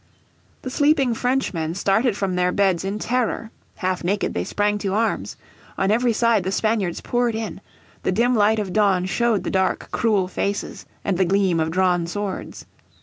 The sleeping Frenchmen started from their beds in terror. Half naked they sprang to arms. On every side the Spaniards poured in. The dim light of dawn showed the dark cruel faces, and the gleam of drawn swords.